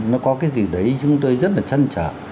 nó có cái gì đấy chúng tôi rất là chăn trở